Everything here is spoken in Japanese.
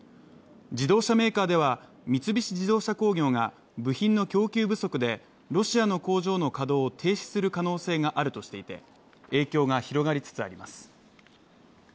自動車メーカーでは、三菱自動車工業が部品の供給不足でロシアの工場の稼働を停止する可能性があるとしていて、影響が広がりつつあります。